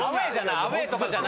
アウェーとかじゃない。